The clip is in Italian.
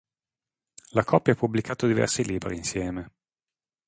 La coppia ha pubblicato diversi libri insieme.